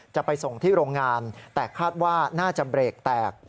จะไปส่งที่โรงงานแต่คาดว่าน่าจะเบรกแตก